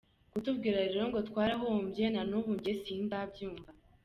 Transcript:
Kutubwira rero ngo twarahombye nanubu njye sindabyumwa.